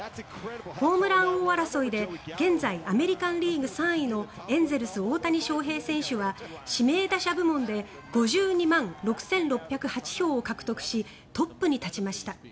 ホームラン王争いで現在、アメリカン・リーグ３位のエンゼルス、大谷翔平選手は指名打者部門で５２万６６０８票を獲得しトップに立ちました。